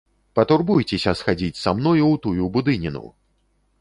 Патурбуйцеся схадзіць са мною ў тую будыніну!